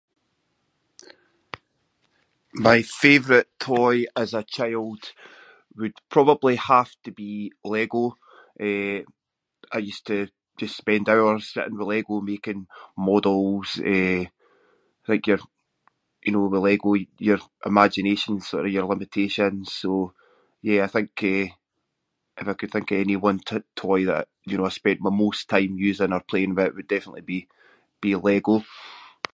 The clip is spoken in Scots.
My favourite toy as a child would probably have to be Lego. Eh, I used to just spend hours sitting with Lego making models, eh- think your, you know, with Lego your imagination’s sort of your limitation, so yeah, I think eh, if I could think of any one t-toy that, you know, I spent my most time using or playing with it would definitely be- be Lego.